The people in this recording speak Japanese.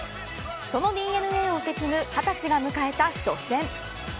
そのＤｅＮＡを受け継ぐ二十歳が迎えた初戦。